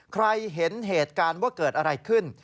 เห็นเหตุการณ์ว่าเกิดอะไรขึ้น